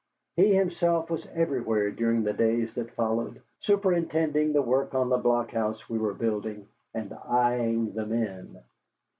He himself was everywhere during the days that followed, superintending the work on the blockhouse we were building, and eying the men.